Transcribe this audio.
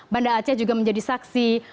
banda aceh juga menjadi saksi